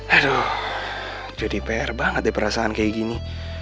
aduh jadi pr banget ya perasaan kayak gini